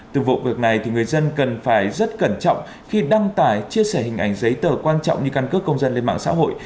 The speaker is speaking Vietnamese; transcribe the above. từ vụ việc này thì người dân cần phải rất cẩn trọng khi đăng tải chia sẻ hình ảnh giấy tờ quan trọng như căn cước công dân lên mạng xã hội